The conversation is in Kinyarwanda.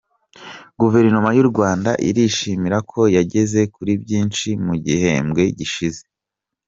Guverinoma y’u Rwanda irishimira ko yageze kuri byinshi mu gihembwe gishize